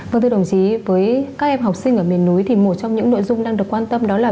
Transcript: vâng thưa đồng chí với các em học sinh ở miền núi thì một trong những nội dung đang được quan tâm đó là